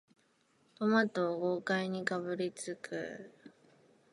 トマトを豪快にかぶりつく